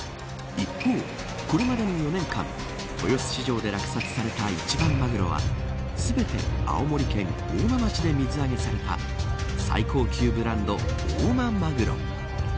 一方、これまでの４年間豊洲市場で落札された一番マグロは全て青森県大間町で水揚げされた最高級ブランド、大間まぐろ。